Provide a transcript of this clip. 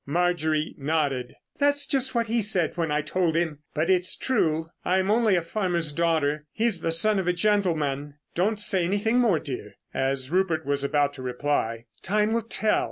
Marjorie nodded. "That's just what he said when I told him. But it's true. I'm only a farmer's daughter; he's the son of a gentleman. Don't say anything more, dear," as Rupert was about to reply. "Time will tell.